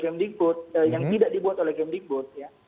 kmd code yang tidak dibuat oleh kmd code